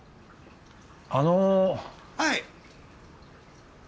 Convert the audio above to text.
あの。はい？